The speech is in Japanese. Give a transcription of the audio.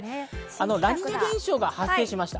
ラニーニャ現象が発生しました。